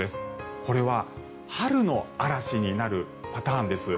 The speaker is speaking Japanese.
これは春の嵐になるパターンです。